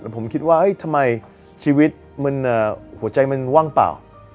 ผมคิดว่าทำไมชีวิตหัวใจมันว่างเปล่า